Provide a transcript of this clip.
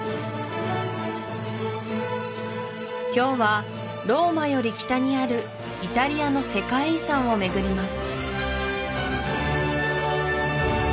今日はローマより北にあるイタリアの世界遺産を巡ります